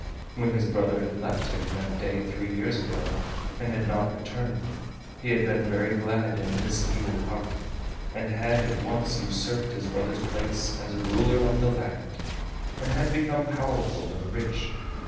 When his brother had left him that day three years ago, and had not returned, he had been very glad in his evil heart and had at once usurped his brother's place as ruler of the land, and had become powerful and rich.